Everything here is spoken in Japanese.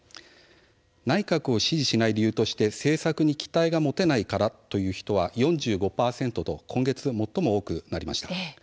内閣を支持しない理由として政策に期待が持てないからという人は４５％と今月も最も多くなりました。